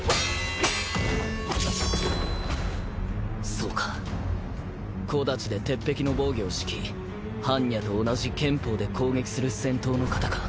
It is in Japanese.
そうか小太刀で鉄壁の防御をしき般若と同じ拳法で攻撃する戦闘の型か。